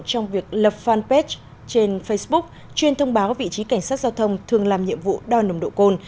trong việc lập fanpage trên facebook chuyên thông báo vị trí cảnh sát giao thông thường làm nhiệm vụ đo nồng độ cồn